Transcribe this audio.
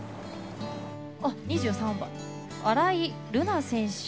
あ２３番新井琉月選手。